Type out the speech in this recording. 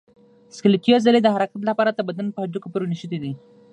سکلیټي عضلې د حرکت لپاره د بدن په هډوکو پورې نښتي دي.